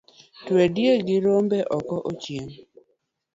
Twe diek gi rombe oko ochiem